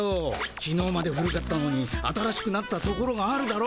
きのうまで古かったのに新しくなったところがあるだろ？